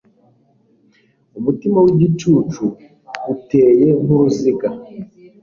umutima w'igicucu uteye nk'uruziga